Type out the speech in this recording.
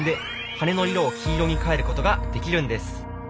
羽の色を黄色に変えることができるんです。